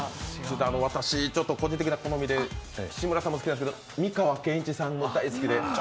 私、個人的な好みで、志村さんも好きなんですけど美川憲一さんも大好きで。